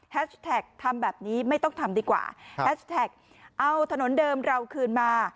แท็กทำแบบนี้ไม่ต้องทำดีกว่าแฮชแท็กเอาถนนเดิมเราคืนมา